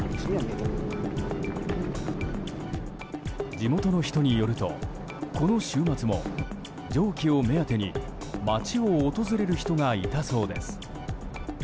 地元の人によるとこの週末も、蒸気を目当てに町を訪れる人がいたそうです。